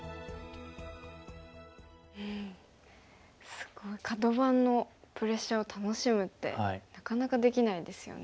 すごいカド番のプレッシャーを楽しむってなかなかできないですよね。